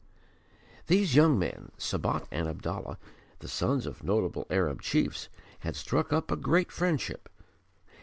These young men, Sabat and Abdallah, the sons of notable Arab chiefs, had struck up a great friendship.